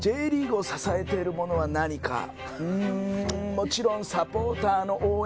もちろんサポーターの応援